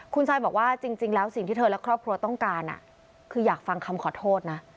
คุณซายบอกว่าจริงแล้วสิ่งที่เธอและครอบครัวต้องการคืออยากฟังคำขอโทษนะ